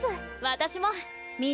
私も。